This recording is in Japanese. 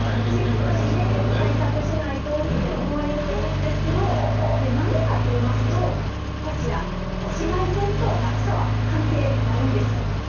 しっかり対策しないとって思われると思うんですけれども、なんでかっていいますと、こちら、紫外線と暑さは関係ないんです。